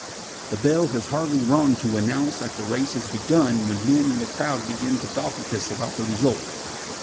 The bell has hardly rung to announce that the race has begun when men in the crowd begin to dogmatise about the result.